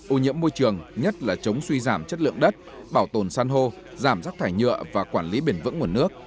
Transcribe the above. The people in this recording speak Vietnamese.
ưu nhiễm môi trường nhất là chống suy giảm chất lượng đất bảo tồn săn hô giảm rắc thải nhựa và quản lý bền vững nguồn nước